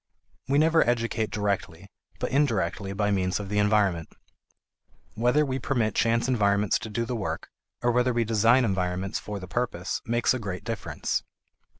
We never educate directly, but indirectly by means of the environment. Whether we permit chance environments to do the work, or whether we design environments for the purpose makes a great difference.